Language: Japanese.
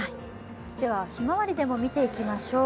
ではひまわりでも見ていきましょう。